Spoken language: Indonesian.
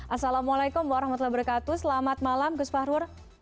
assalamualaikum warahmatullahi wabarakatuh selamat malam gus fahru